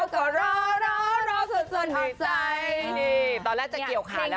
ตอนแรกจะเกี่ยวขาแล้ว